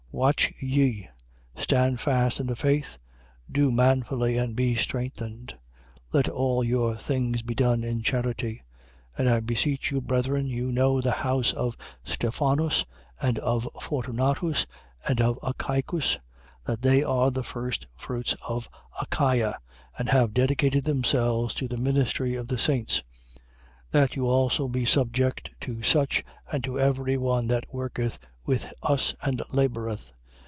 16:13. Watch ye: stand fast in the faith: do manfully and be strengthened. 16:14. Let all your things be done in charity. 16:15. And I beseech you, brethren, you know the house of Stephanus, and of Fortunatus, and of Achaicus, that they are the firstfruits of Achaia, and have dedicated themselves to the ministry of the saints: 16:16. That you also be subject to such and to every one that worketh with us and laboureth.